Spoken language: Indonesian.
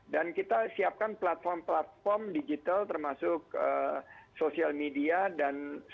dan kita siapkan platform platform digital termasuk sosial media dan sekalian